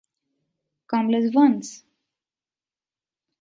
Com les vens?